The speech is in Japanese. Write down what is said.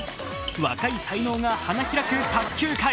若い才能が花開く卓球界。